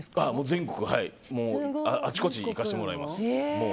全国にあちこち行かしてもらいます。